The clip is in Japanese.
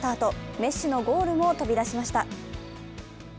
メッシのゴールも飛び出しました。